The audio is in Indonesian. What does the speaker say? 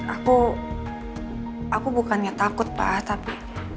aku aku bukannya takut pak tapi